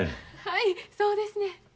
はいそうですねん。